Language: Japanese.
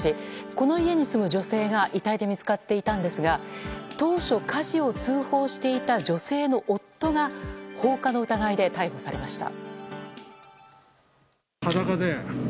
この家に住む女性が遺体で見つかっていたんですが当初、火事を通報していた女性の夫が放火の疑いで逮捕されました。